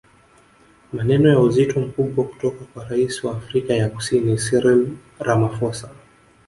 Maneno ya uzito mkubwa kutoka kwa Rais wa Afrika ya Kusini Cyril Ramaphosa